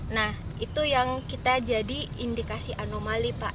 nah itu yang kita jadi indikasi anomali pak